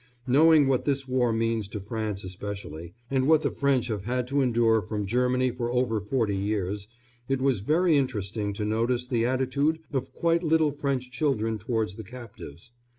Knowing what this war means to France especially, and what the French have had to endure from Germany for over forty years, it was very interesting to notice the attitude of quite little French children towards the captives.